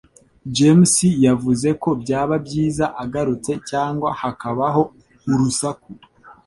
James yavuze ko byaba byiza agarutse cyangwa hakabaho urusaku